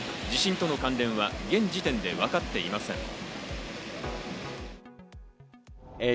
地震との関連は現時点で分かっていません。